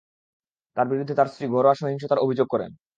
তার বিরুদ্ধে তার স্ত্রী ঘরোয়া সহিংসতার অভিযোগ করেন।